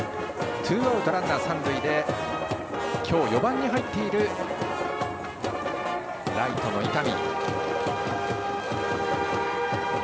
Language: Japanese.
ツーアウトランナー、三塁で今日４番に入っているライトの伊丹。